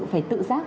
phải tự giác